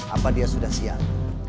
apa dia sudah siang